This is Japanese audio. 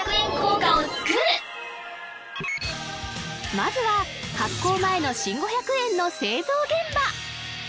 まずは発行前の新５００円の製造現場